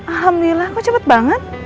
alhamdulillah kok cepet banget